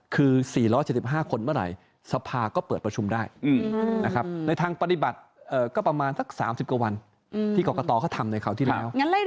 คือ๔๗๕คนเมื่อไหร่สภาก็เปิดประชุมได้ในทางปฏิบัติก็ประมาณสัก๓๐กว่าวันที่กรกตเขาทำในคราวที่แล้ว